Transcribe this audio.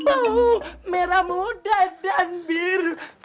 bau merah muda dan biru